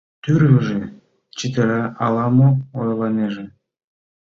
Тӱрвыжӧ чытыра, ала-мом ойлынеже.